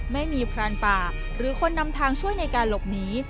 ไม่มีพรานป่าหรือคนนำทางช่วยในการหลบหนี